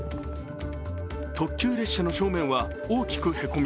特急列車の正面は大きくへこみ